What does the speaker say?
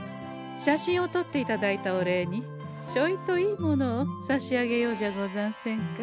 写真をとっていただいたお礼にちょいといいものをさしあげようじゃござんせんか。